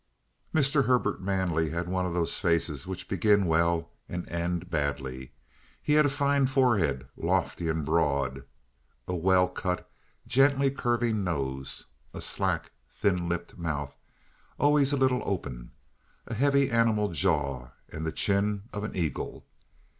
Mr. Herbert Manley had one of those faces which begin well and end badly. He had a fine forehead, lofty and broad, a well cut, gently curving nose, a slack, thick lipped mouth, always a little open, a heavy, animal jaw, and the chin of an eagle.